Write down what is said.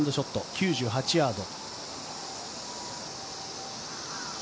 ９８ヤード。